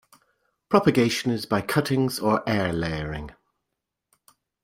Propagation is by cuttings or air layering.